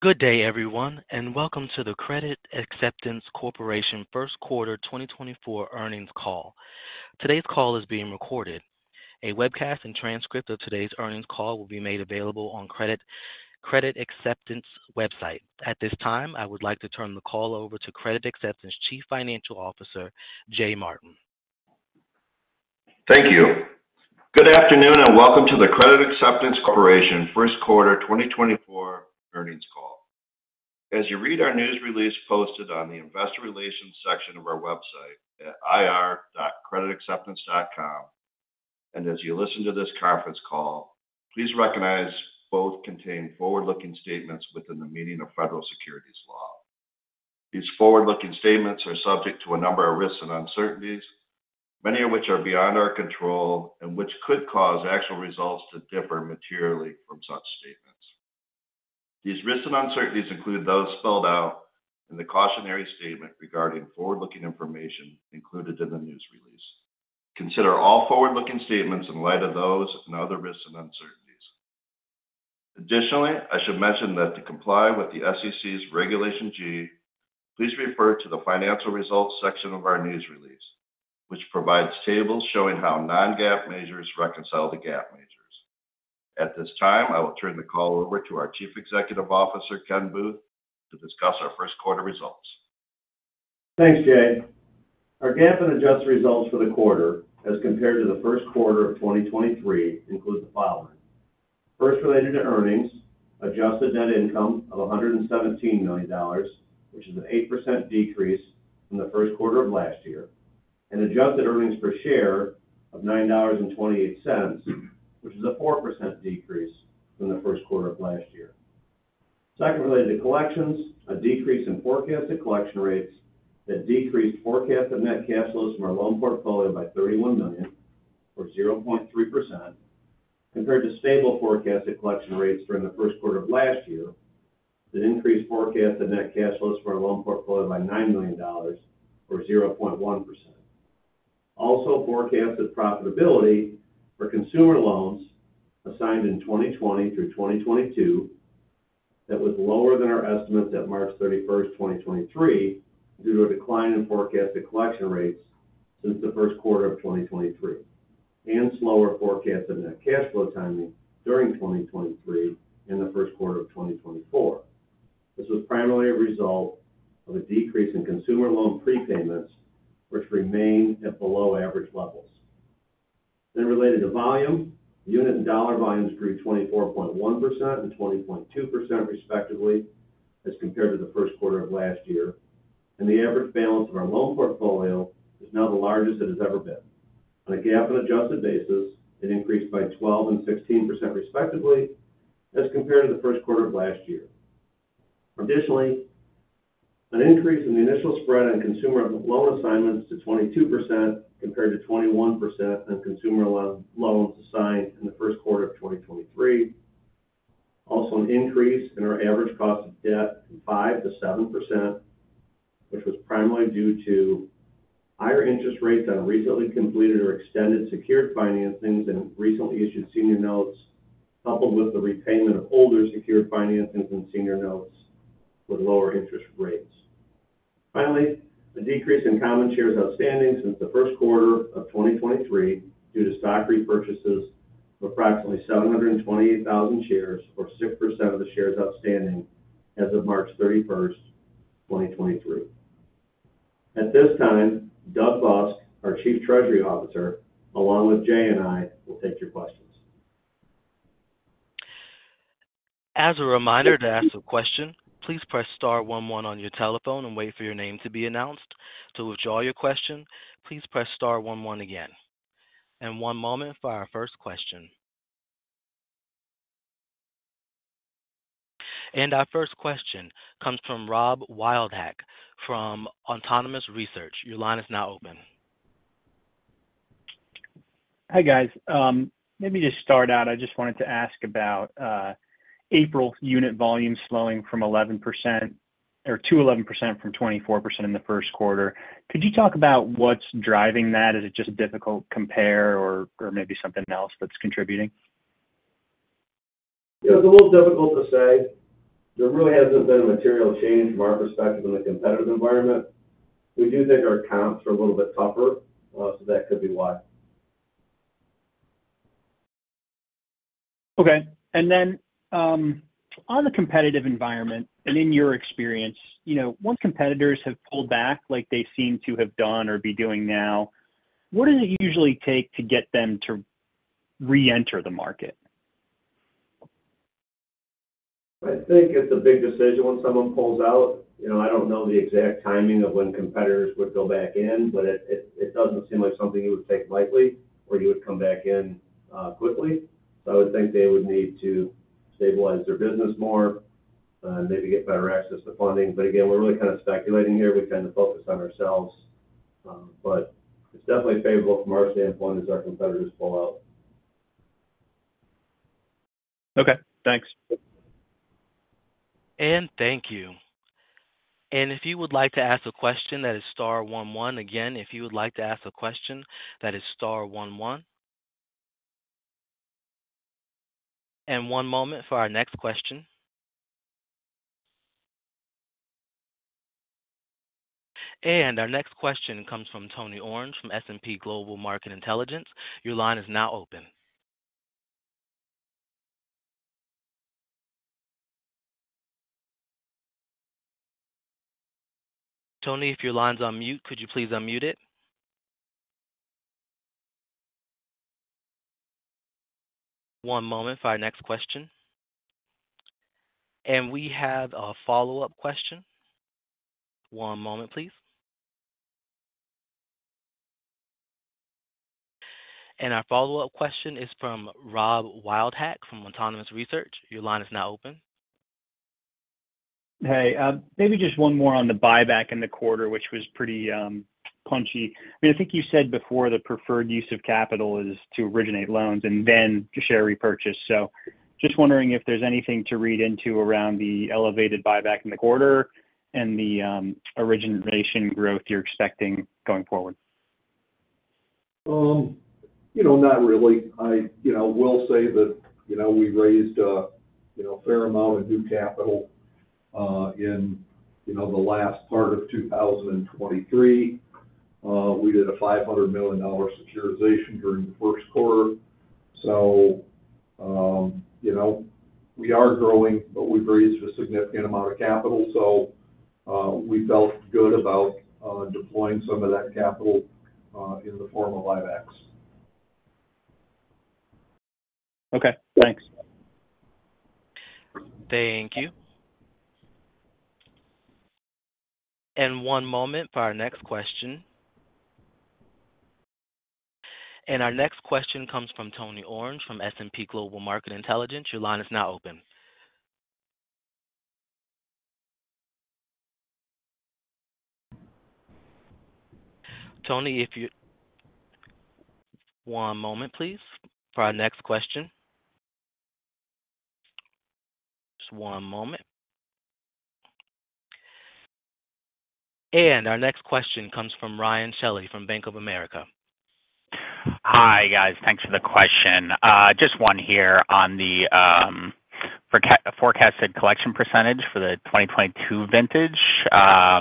Good day, everyone, and welcome to the Credit Acceptance Corporation First Quarter 2024 Earnings Call. Today's call is being recorded. A webcast and transcript of today's earnings call will be made available on Credit Acceptance website. At this time, I would like to turn the call over to Credit Acceptance Chief Financial Officer, Jay Martin. Thank you. Good afternoon, and welcome to the Credit Acceptance Corporation First Quarter 2024 Earnings Call. As you read our news release posted on the investor relations section of our website at ir.creditacceptance.com, and as you listen to this conference call, please recognize both contain forward-looking statements within the meaning of federal securities law. These forward-looking statements are subject to a number of risks and uncertainties, many of which are beyond our control and which could cause actual results to differ materially from such statements. These risks and uncertainties include those spelled out in the cautionary statement regarding forward-looking information included in the news release. Consider all forward-looking statements in light of those and other risks and uncertainties. Additionally, I should mention that to comply with the SEC's Regulation G, please refer to the financial results section of our news release, which provides tables showing how non-GAAP measures reconcile to GAAP measures. At this time, I will turn the call over to our Chief Executive Officer, Ken Booth, to discuss our first quarter results. Thanks, Jay. Our GAAP and adjusted results for the quarter as compared to the first quarter of 2023 include the following: First, related to earnings, adjusted net income of $117 million, which is an 8% decrease from the first quarter of last year, and adjusted earnings per share of $9.28, which is a 4% decrease from the first quarter of last year. Second, related to collections, a decrease in forecasted collection rates that decreased forecasted net cash flows from our loan portfolio by $31 million, or 0.3%, compared to stable forecasted collection rates during the first quarter of last year that increased forecasted net cash flows from our loan portfolio by $9 million, or 0.1%. Also, forecasted profitability for consumer loans assigned in 2020 through 2022 that was lower than our estimate at March 31st, 2023, due to a decline in forecasted collection rates since the first quarter of 2023, and slower forecast of net cash flow timing during 2023 in the first quarter of 2024. This was primarily a result of a decrease in consumer loan prepayments, which remain at below average levels. Related to volume, unit and dollar volumes grew 24.1% and 20.2%, respectively, as compared to the first quarter of last year, and the average balance of our loan portfolio is now the largest it has ever been. On a GAAP and adjusted basis, it increased by 12% and 16%, respectively, as compared to the first quarter of last year. Additionally, an increase in the initial spread on consumer loan assignments to 22%, compared to 21% on consumer loans assigned in the first quarter of 2023. Also, an increase in our average cost of debt from 5%-7%, which was primarily due to higher interest rates on recently completed or extended secured financings and recently issued senior notes, coupled with the repayment of older secured financings and senior notes with lower interest rates. Finally, the decrease in common shares outstanding since the first quarter of 2023 due to stock repurchases of approximately 728,000 shares, or 6% of the shares outstanding as of March 31st, 2023. At this time, Doug Busk, our Chief Treasury Officer, along with Jay and I, will take your questions. As a reminder, to ask a question, please press star one one on your telephone and wait for your name to be announced. To withdraw your question, please press star one one again. One moment for our first question. Our first question comes from Rob Wildhack from Autonomous Research. Your line is now open. Hi, guys. Let me just start out. I just wanted to ask about April unit volume slowing from 11% or to 11% from 24% in the first quarter. Could you talk about what's driving that? Is it just a difficult compare or maybe something else that's contributing? It's a little difficult to say. There really hasn't been a material change from our perspective in the competitive environment. We do think our accounts are a little bit tougher, so that could be why. Okay. And then, on the competitive environment and in your experience, you know, once competitors have pulled back, like they seem to have done or be doing now, what does it usually take to get them to reenter the market? I think it's a big decision when someone pulls out. You know, I don't know the exact timing of when competitors would go back in, but it doesn't seem like something you would take lightly or you would come back in quickly. So I would think they would need to stabilize their business more, maybe get better access to funding. But again, we're really kind of speculating here. We kind of focus on ourselves. But it's definitely favorable from our standpoint as our competitors pull out. Okay, thanks. And thank you. And if you would like to ask a question, that is star one one. Again, if you would like to ask a question, that is star one one... And one moment for our next question. And our next question comes from Tony Orange from S&P Global Market Intelligence. Your line is now open. Tony, if your line's on mute, could you please unmute it? One moment for our next question. And we have a follow-up question. One moment, please. And our follow-up question is from Rob Wildhack from Autonomous Research. Your line is now open. Hey, maybe just one more on the buyback in the quarter, which was pretty punchy. I mean, I think you said before the preferred use of capital is to originate loans and then to share repurchase. So just wondering if there's anything to read into around the elevated buyback in the quarter and the origination growth you're expecting going forward. You know, not really. I, you know, will say that, you know, we raised a, you know, fair amount of new capital in you know, the last part of 2023. We did a $500 million securitization during the first quarter. So, you know, we are growing, but we've raised a significant amount of capital, so, we felt good about deploying some of that capital in the form of buybacks. Okay, thanks. Thank you. And one moment for our next question. And our next question comes from Tony Orange from S&P Global Market Intelligence. Your line is now open. Tony, if you-- One moment, please, for our next question. Just one moment. And our next question comes from Ryan Shelley, from Bank of America. Hi, guys. Thanks for the question. Just one here on the forecasted collection percentage for the 2022 vintage. I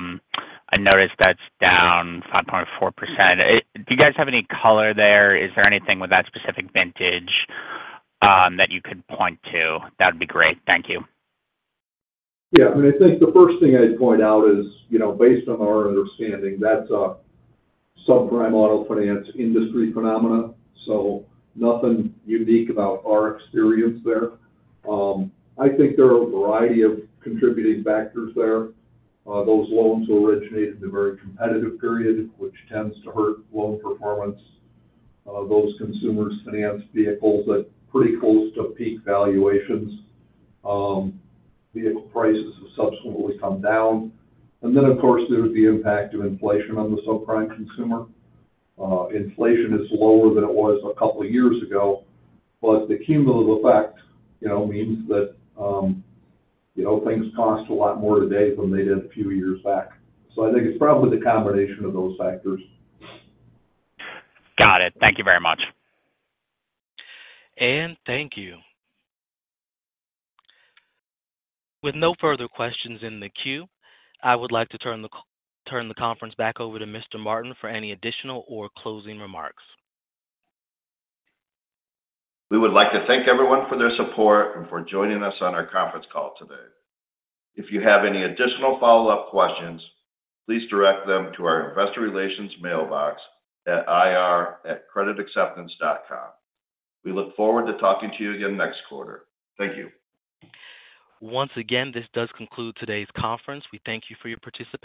noticed that's down 5.4%. Do you guys have any color there? Is there anything with that specific vintage that you could point to? That'd be great. Thank you. Yeah, I mean, I think the first thing I'd point out is, you know, based on our understanding, that's a subprime auto finance industry phenomenon, so nothing unique about our experience there. I think there are a variety of contributing factors there. Those loans originated in a very competitive period, which tends to hurt loan performance. Those consumers financed vehicles at pretty close to peak valuations. Vehicle prices have subsequently come down. And then, of course, there was the impact of inflation on the subprime consumer. Inflation is lower than it was a couple of years ago, but the cumulative effect, you know, means that, you know, things cost a lot more today than they did a few years back. So I think it's probably the combination of those factors. Got it. Thank you very much. Thank you. With no further questions in the queue, I would like to turn the conference back over to Mr. Martin for any additional or closing remarks. We would like to thank everyone for their support and for joining us on our conference call today. If you have any additional follow-up questions, please direct them to our investor relations mailbox at ir@creditacceptance.com. We look forward to talking to you again next quarter. Thank you. Once again, this does conclude today's conference. We thank you for your participation.